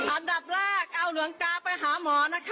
อันดับแรกเอาหลวงตาไปหาหมอนะคะ